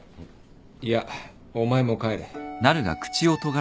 いやお前も帰れ。